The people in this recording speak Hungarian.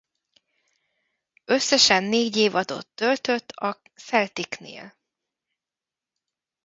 Összesen négy évadot töltött a Celticnél.